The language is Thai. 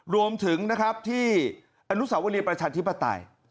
รวมถึงนะครับที่อนุสาวรีประชาธิปไตย